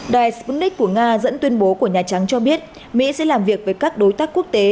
đài sputnik của nga dẫn tuyên bố của nhà trắng cho biết mỹ sẽ làm việc với các đối tác quốc tế